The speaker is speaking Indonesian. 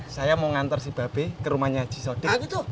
saya mau ngantar si babe ke rumahnya haji soder